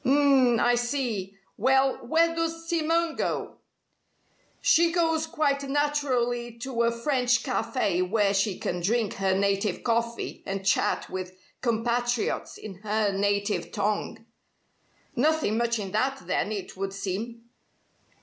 "H'm! I see. Well, where does Simone go?" "She goes, quite naturally, to a French café where she can drink her native coffee and chat with compatriots in her native tongue." "Nothing much in that, then, it would seem."